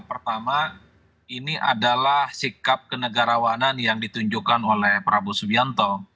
pertama ini adalah sikap kenegarawanan yang ditunjukkan oleh prabowo subianto